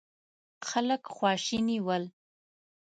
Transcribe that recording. خلک خواشيني ول.